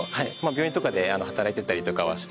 病院とかで働いてたりとかはして。